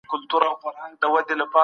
بلل کېږي